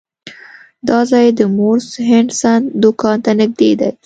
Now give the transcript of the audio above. دا ځای د مورس هډسن دکان ته نږدې دی.